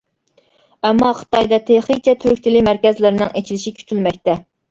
ئەمما خىتايدا تېخىچە تۈرك تىلى مەركەزلىرىنىڭ ئېچىلىشى كۈتۈلمەكتە.